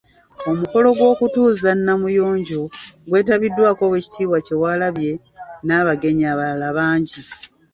Omukolo gw'okutuuza Namuyonjo gwetabiddwako Oweekitiibwa Kyewalabye n'abagenyi abalala bangi.